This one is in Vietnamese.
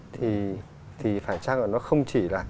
thì phải chắc là nó không chỉ là